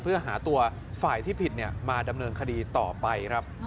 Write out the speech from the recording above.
เพื่อหาตัวฝ่ายที่ผิดมาดำเนินคดีต่อไปครับ